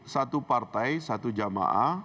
satu partai satu jamaah